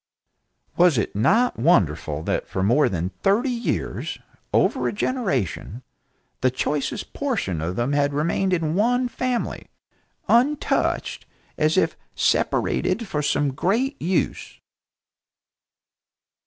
Was it not wonderful that for more than thirty years, over a generation, the choicest portion of them had remained in one family, untouched, as if, separated for some great use!